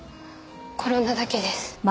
転んだだけです。